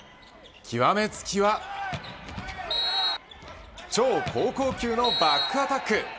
極めつきは超高校級のバックアタック。